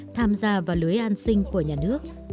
tham gia vào lưới an sinh của nhà nước